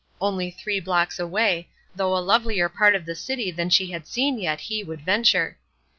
Only three blocks away, through a lovelier part of the city than she had seen yet, he would venture!